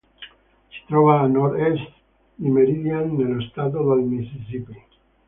Si trova a nord-esd di Meridian, nello stato del Mississippi.